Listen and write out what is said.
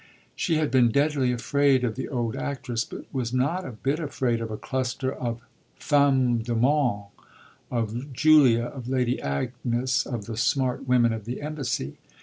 She had been deadly afraid of the old actress but was not a bit afraid of a cluster of femmes du monde, of Julia, of Lady Agnes, of the smart women of the embassy.